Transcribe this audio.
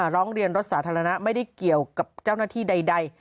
ร้องเรียนรถสาธารณะไม่ได้เกี่ยวกับเจ้าหน้าที่ใด